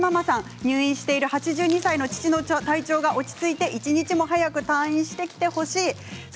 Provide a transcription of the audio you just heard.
入院している８２歳の父の体調が落ち着いて一日も早く退院してきてほしい。